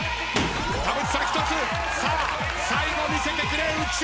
田渕さん１つ！さあ最後見せてくれ浮所